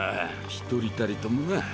一人たりともな。